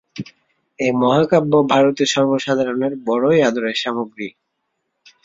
এই মহাকাব্য ভারতে সর্বসাধারণের বড়ই আদরের সামগ্রী।